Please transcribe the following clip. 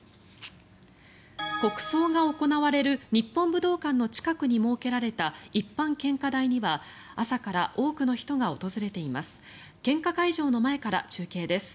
国葬が行われる日本武道館の近くに設けられた一般献花台には朝から多くの人が訪れています。